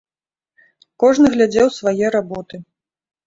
Кожны глядзеў свае работы.